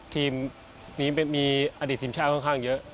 ทีมนี้มีอดีตทีมชาติค่อนข้างเยอะ